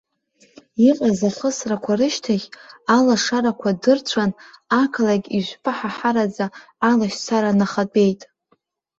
Иҟаз ахысрақәа рышьҭахь, алашарақәа дырцәан, ақалақь ижәпаҳаҳараӡа алашьцара нахатәеит.